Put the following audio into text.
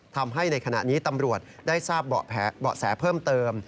ทำให้ในขณะนี้ตำรวจได้ทราบเบาะแสเพิ่มเติม